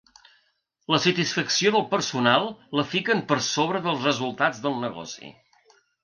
La satisfacció del personal la fiquen per sobre dels resultats del negoci.